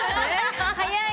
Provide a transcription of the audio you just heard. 早い！